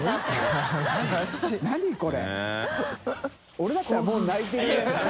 俺だったらもう泣いてるね。